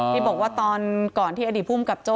ที่บอกว่าก่อนที่ภูมิกับโจ้